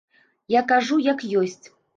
Я кажу, як ёсць.